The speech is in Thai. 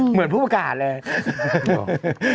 เหมือนภูรกาศเลย